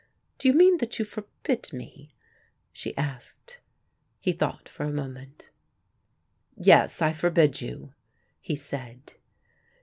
"Do you mean that you forbid me?" she asked. He thought for a moment. "Yes, I forbid you," he said.